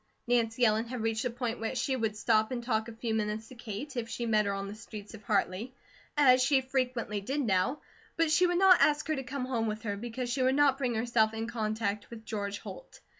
Nancy Ellen had reached the point where she would stop and talk a few minutes to Kate, if she met her on the streets of Hartley, as she frequently did now; but she would not ask her to come home with her, because she would not bring herself in contact with George Holt.